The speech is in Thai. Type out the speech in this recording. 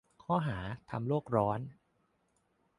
ข้อหา : ทำโลกร้อน.